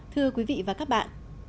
thưa quý vị và các bạn